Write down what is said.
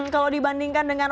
kalau dibandingkan dengan